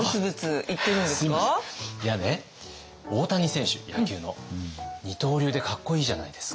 いやね大谷選手野球の二刀流でかっこいいじゃないですか。